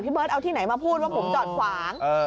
เบิร์ตเอาที่ไหนมาพูดว่าผมจอดขวาง